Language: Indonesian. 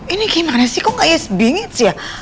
ini gimana sih kok gak yes bingit sih ya